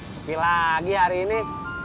supi lagi hari ini